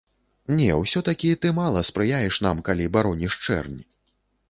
Не, усё-такі ты мала спрыяеш нам, калі бароніш чэрнь.